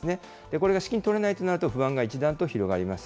これが資金とれないとなると、不安が一段と広がります。